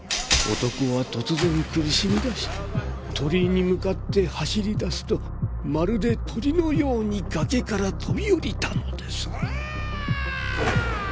男は突然苦しみ出し鳥居に向かって走り出すとまるで鳥のように崖から飛び降りたのです。